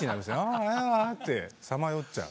あああってさまよっちゃう。